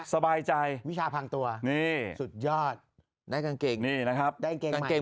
สบายใจวิชาพังตัวนี่สุดยอดได้กางเกงนี่นะครับได้กางเกงกางเกง